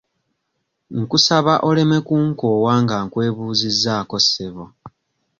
Nkusaba oleme kunkoowa nga nkwebuuzizzaako ssebo.